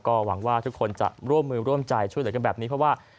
ก็หวังว่าทุกคนจะร่วมมือร่วมใจช่วยเหลือกันแบบนี้เพราะว่า